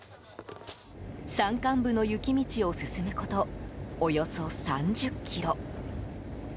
山間部の雪道を進むことおよそ３０ｋｍ。